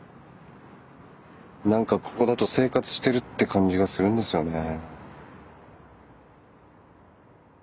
何かここだと生活してるって感じがするんですよね。